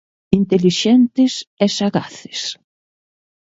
Intelixentes e sagaces.